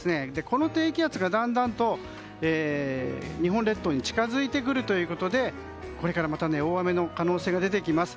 この低気圧がだんだんと日本列島に近づいてくるということでこれからまた大雨の可能性が出てきます。